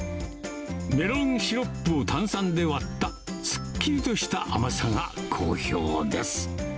メロンシロップを炭酸で割ったすっきりとした甘さが公表です。